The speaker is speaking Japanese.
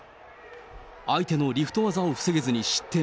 相手のリフト技を防げずに失点。